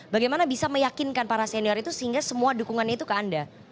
bagaimana bisa meyakinkan para senior itu sehingga semua dukungannya itu ke anda